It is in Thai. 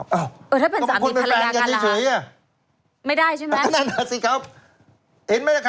ถ้าเป็นสามีภรรยากันล่ะไม่ได้ใช่ไหมครับอ๋อบางคนเป็นแฟนกันเฉย